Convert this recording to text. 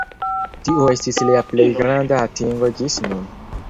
Tio estis lia plej granda atingo ĝis nun.